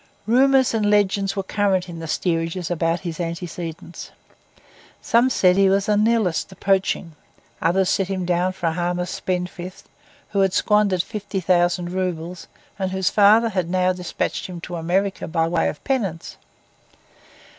Rumours and legends were current in the steerages about his antecedents. Some said he was a Nihilist escaping; others set him down for a harmless spendthrift, who had squandered fifty thousand roubles, and whose father had now despatched him to America by way of penance.